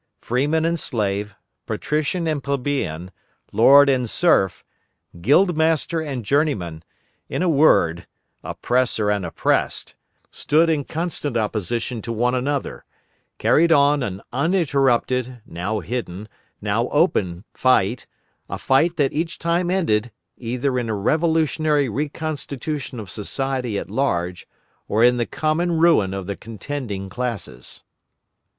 Freeman and slave, patrician and plebeian, lord and serf, guild master and journeyman, in a word, oppressor and oppressed, stood in constant opposition to one another, carried on an uninterrupted, now hidden, now open fight, a fight that each time ended, either in a revolutionary re constitution of society at large, or in the common ruin of the contending classes.